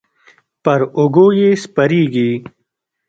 پر اوږو یې سپرېږي.